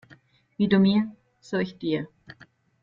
Wie du mir, so ich dir.